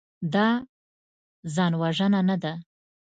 دا ځانوژنه نه ده.